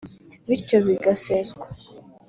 bityo rigaseswa